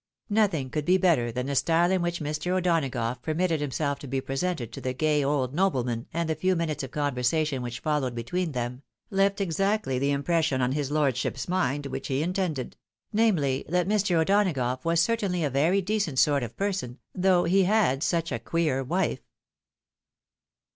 Nothing could be better than the style in which Mr. O'Dona gough permitted himself to be presented to the gay old noble man, and the few minutes of conversation wliich followed between them, left exactly the impression on his lordship's mind he intended ; namely, that Mr. O'Donagough was certainly a very decent sort of person, though he had such a queer wife.